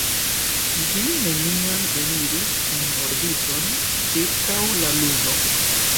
Ĝi neniam eniris en orbiton ĉirkaŭ la Luno.